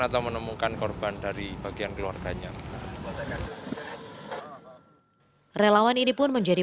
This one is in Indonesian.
atau menemukan korban dari bagian keluarganya relawan ini pun menjadi